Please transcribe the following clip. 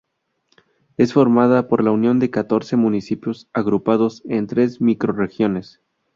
Es formada por la unión de catorce municipios agrupados en tres microrregiones.